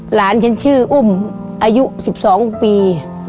หลานฉันชื่ออุ้มอายุ๑๒ปี